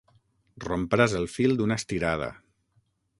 Rompràs el fil d'una estirada.